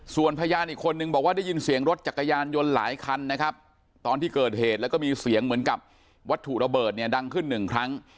ส่วนพยานอีกคนนึงบอกว่าได้ยินเสียงรถจักรยานยนต์หลายคันนะครับตอนที่เกิดเหตุแล้วก็มีเสียงเหมือนกับวัตถุระเบิดเนี่ยดังขึ้นหนึ่งครั้ง